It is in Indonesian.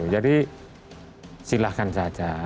jadi silahkan saja